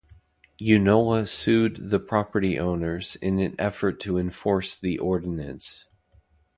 Eunola sued the property owners in an effort to enforce the ordinance.